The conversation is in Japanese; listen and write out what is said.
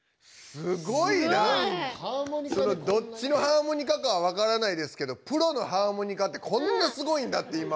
すごい！どっちのハーモニカかはわからないですけどプロのハーモニカってこんなすごいんだって今。